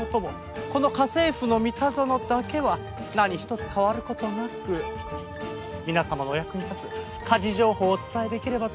この『家政夫のミタゾノ』だけは何ひとつ変わる事なく皆様のお役に立つ家事情報をお伝えできればと思っております。